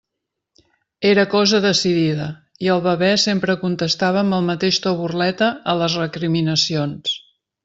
Era cosa decidida, i el bebè sempre contestava amb el mateix to burleta a les recriminacions.